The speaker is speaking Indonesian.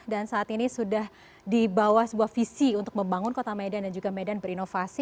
dan saat ini sudah dibawa sebuah visi untuk membangun kota medan dan juga medan berinovasi